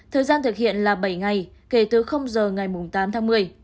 thời gian thực hiện là bảy ngày kể từ giờ ngày tám tháng một mươi